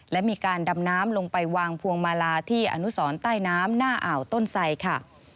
และมีการดำน้ำลงไปวางพวงมาลาที่อนุสรใต้น้ำหน้าอ่าวต้นไสค่ะ